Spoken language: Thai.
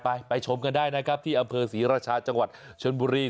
ไปไปชมกันได้นะครับที่อำเภอศรีราชาจังหวัดชนบุรี